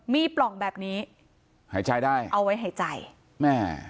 มีปล่องแบบนี้หายใจได้เอาไว้หายใจแม่